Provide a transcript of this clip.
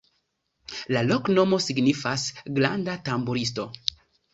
La loknomo signifas: granda-tamburisto.